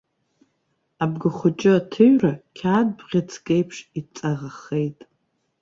Абгахәыҷы аҭыҩра қьаад бӷьыцк еиԥш иҵаӷахеит.